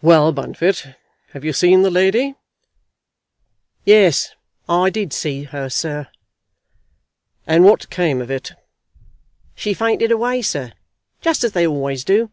"Well, Bunfit, have you seen the lady?" "Yes, I did see her, sir." "And what came of it?" "She fainted away, sir just as they always do."